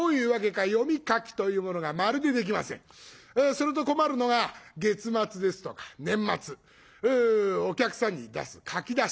すると困るのが月末ですとか年末お客さんに出す書き出し。